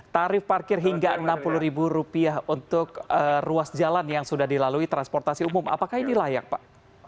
tarif parkir hingga rp enam puluh untuk ruas jalan yang sudah dilalui transportasi umum apakah ini layak pak